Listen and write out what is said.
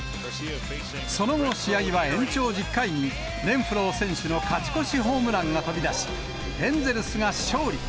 その後、試合は延長１０回に、レンフロー選手の勝ち越しホームランが飛び出し、エンゼルスが勝利。